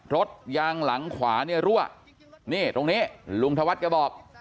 รถยางหลังขวาเนี่ยรั่วนี่ตรงนี้ลุงธวัฒน์แกบอก